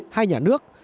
hai nhà nước